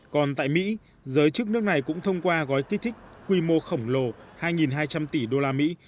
còn tại mỹ giới chức nước này cũng thông qua gói kích thích quy mô khổng lồ hai hai trăm linh tỷ đô la mỹ